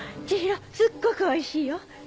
千尋すっごくおいしいよ。